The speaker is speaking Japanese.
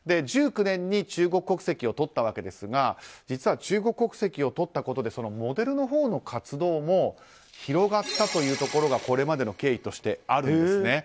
１９年に中国国籍をとったわけですが実は中国国籍を取ったことでモデルのほうの活動も広がったというところがこれまでの経緯としてあるんです。